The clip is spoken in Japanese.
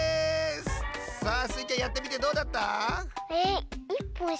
さあスイちゃんやってみてどうだった？